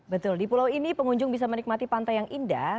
betul di pulau ini pengunjung bisa menikmati pantai yang indah